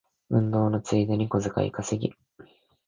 運動のついでに小遣い稼ぎ